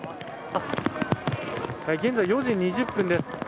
現在４時２０分です。